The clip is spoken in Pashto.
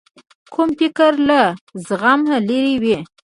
کوږ فکر له زغم لیرې وي